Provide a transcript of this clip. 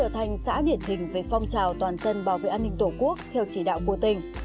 đã điển hình về phong trào toàn dân bảo vệ an ninh tổ quốc theo chỉ đạo của tỉnh